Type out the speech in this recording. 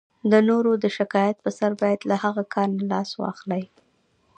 د نورو د شکایت په سر باید له هغه کار نه لاس واخلئ.